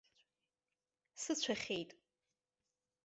Сыцәахьеит.